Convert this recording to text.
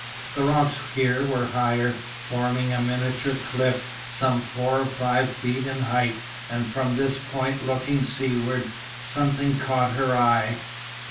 The rocks here were higher, forming a miniature cliff some four or five feet in height and from this point looking seaward something caught her eye.